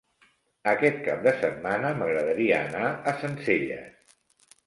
Aquest cap de setmana m'agradaria anar a Sencelles.